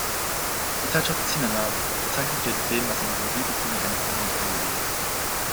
Die Zeitschrift "Cinema" bezeichnete den Film als eine "„sensible Chronik einer Familientragödie“".